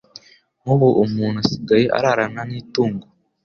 nk'ubu umuntu asigaye ararana n'itungo